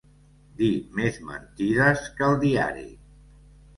Dir més mentides que el diari.